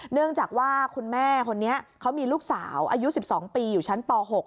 เนื่องจากว่าคุณแม่คนนี้เขามีลูกสาวอายุ๑๒ปีอยู่ชั้นป๖